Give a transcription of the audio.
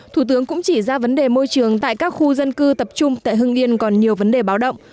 thủ tướng cũng chỉ ra vấn đề môi trường tại các khu dân cư tập trung tại hưng yên còn nhiều vấn đề báo động